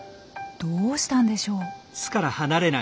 どうしたんでしょう？